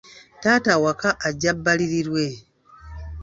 Taata awaka ajja bbalirirwe.